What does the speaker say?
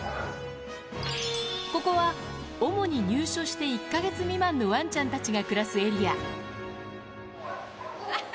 ここは主に入所して１か月未満のわんちゃんたちが暮らすエリア。